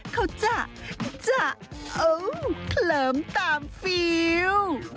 เขาจะจะโอ้โหเขลิมตามฟีล